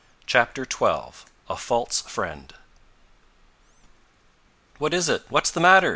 CHAPTER XII A FALSE FRIEND "What is it? What's the matter?"